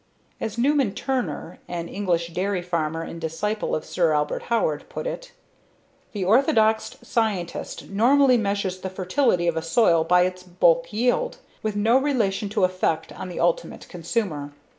As Newman Turner, an English dairy farmer and disciple of Sir Albert Howard, put it: "The orthodox scientist normally measures the fertility of a soil by its bulk yield, with no relation to effect on the ultimate consumer.